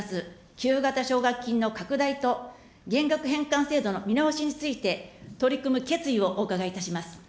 給付型奨学金の拡大と、減額返還制度の見直しについて、取り組む決意をお伺いいたします。